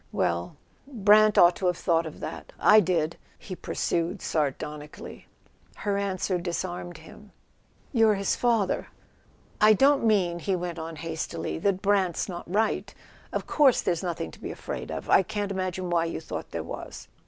"Well—Brant ought to have thought of that —I did," he pursued sardonically. Her answer disarmed him. "You're his father." "I don't mean," he went on hastily, "that Brant's not right: of course there's nothing to be afraid of. I can't imagine why you thought there was."